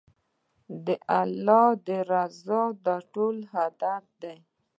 د الله رضا د ټولو هدف دی.